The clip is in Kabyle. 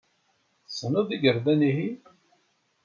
Tessneḍ igerdan-ihin?